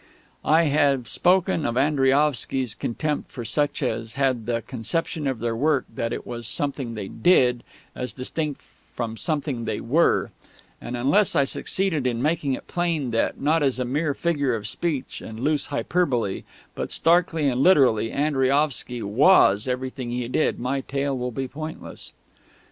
I have spoken of Andriaovsky's contempt for such as had the conception of their work that it was something they "did" as distinct from something they "were"; and unless I succeed in making it plain that, not as a mere figure of speech and loose hyperbole, but starkly and literally, Andriaovsky was everything he did, my tale will be pointless.